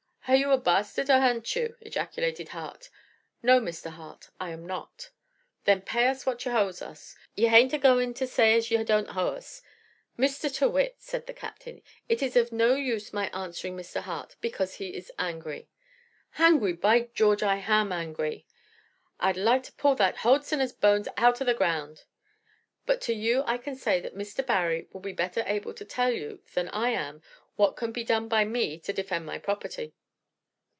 "Hare you a bastard, or haren't you?" ejaculated Hart. "No, Mr. Hart, I am not." "Then pay us what you h'owes us. You h'ain't h'agoing to say as you don't h'owe us?" "Mr. Tyrrwhit," said the captain, "it is of no use my answering Mr. Hart, because he is angry." "H'angry! By George, I h'am angry! I'd like to pull that h'old sinner's bones h'out of the ground!" "But to you I can say that Mr. Barry will be better able to tell you than I am what can be done by me to defend my property."